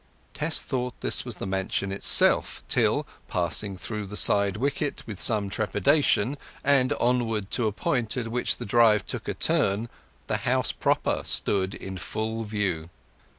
Tess thought this was the mansion itself till, passing through the side wicket with some trepidation, and onward to a point at which the drive took a turn, the house proper stood in full view.